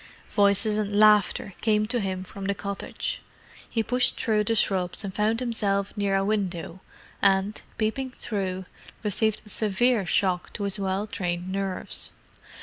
Voices and laughter came to him from the cottage. He pushed through the shrubs and found himself near a window; and, peeping through, received a severe shock to his well trained nerves.